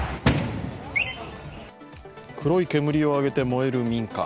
黒い煙を上げて燃える民家。